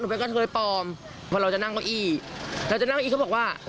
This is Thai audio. หนูเป็นกระเทยปลอมพอเราจะนั่งโก้ยเราจะนั่งโก้ยเขาบอกว่า